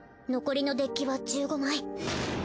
残りのデッキは１５枚。